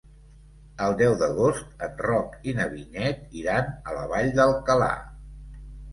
El deu d'agost en Roc i na Vinyet iran a la Vall d'Alcalà.